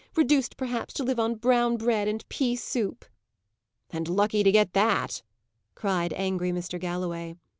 reduced, perhaps, to live on brown bread and pea soup!" "And lucky to get that!" cried angry Mr. Galloway.